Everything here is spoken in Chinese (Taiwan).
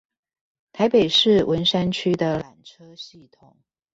台北市文山區的纜車系統